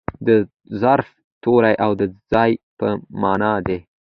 د ظرف توری او د ځای په مانا دئ.